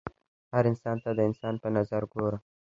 هر انسان ته د انسان په نظر ګوره